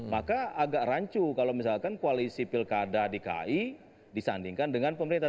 maka agak rancu kalau misalkan koalisi pilkada dki disandingkan dengan pemerintah